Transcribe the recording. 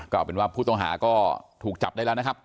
ก็เป็นว่าผู้ต้องหาก็ถูกจับได้แล้วนะครับ